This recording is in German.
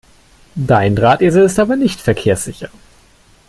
Dein Drahtesel ist aber nicht verkehrssicher!